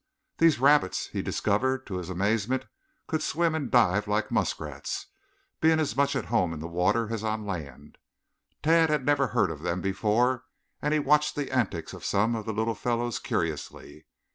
These rabbits, he discovered to his amazement, could swim and dive like muskrats, being as much at home in the water as on the land. Tad never had heard of them before and he watched the antics of some of the little fellows curiously.